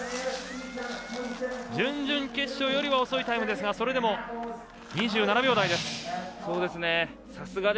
準々決勝よりは遅いタイムですがそれでも、２７秒台です。